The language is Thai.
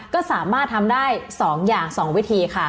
ก็สามารถทำได้๒อย่าง๒วิธีค่ะ